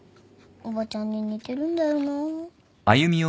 おばちゃんに似てるんだよな。